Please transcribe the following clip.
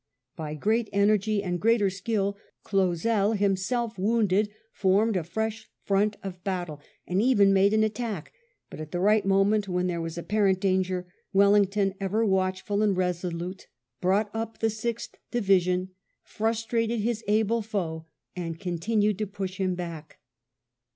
By great energy and greater skill, Clausel, him self wounded, formed a fresh front of battle, and even made an attack ; but at the right moment, when there was apparent danger, Wellington, ever watchful and resolute, brought up the Sixth Division, frustrated his able foe, and continued to push him back.